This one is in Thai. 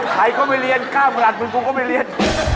ใครก็ไปเรียนข้ามรัฐปรุงก็ไปเรียน